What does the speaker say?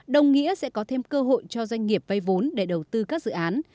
đồng nghĩa sẽ có thêm cơ hội cho doanh nghiệp vay vốn để đầu tư các dự án